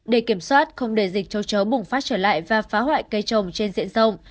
để kiểm soát không để dịch châu chấu bùng phát trở lại và phá hoại cây trồng trên diện rộng